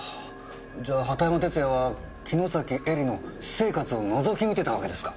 じゃあ畑山哲弥は城崎愛梨の私生活を覗き見てたわけですか！